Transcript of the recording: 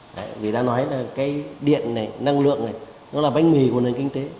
người ta nói là cái điện này năng lượng này nó là bánh mì của nền kinh tế